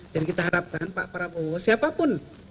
jadi kita harapkan pak prabowo siapapun